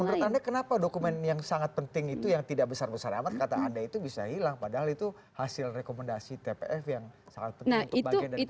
menurut anda kenapa dokumen yang sangat penting itu yang tidak besar besar amat kata anda itu bisa hilang padahal itu hasil rekomendasi tpf yang sangat penting untuk bagian dari